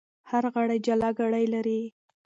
هر غړی جلا ګړۍ لري.